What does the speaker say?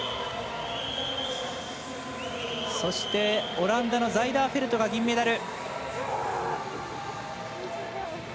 オランダのザイダーフェルトが銀メダル。